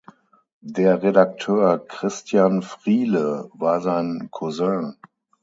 Der Redakteur Christian Friele war sein Cousin.